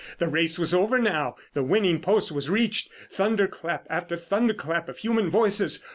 The race was over now. The winning post was reached. Thunder clap after thunder clap of human voices.